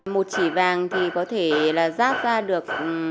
một chỉ vàng thì có thể là ráp ra được